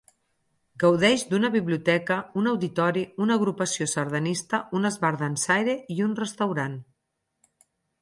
Gaudeix d'una biblioteca, un auditori, una agrupació sardanista, un esbart dansaire i un restaurant.